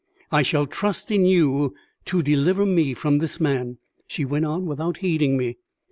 "I shall trust in you to deliver me from this man," she went on without heeding me.